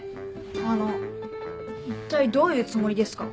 あの一体どういうつもりですか？